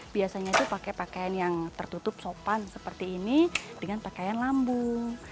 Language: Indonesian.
biasanya itu pakai pakaian yang tertutup sopan seperti ini dengan pakaian lambung